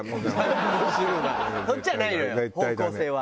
そっちじゃないのよ方向性は。